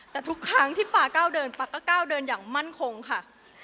แต่ทุกครั้งที่ป๊าก้าวเดินป๊าก็ก้าวเดินอย่างมั่นคงค่ะ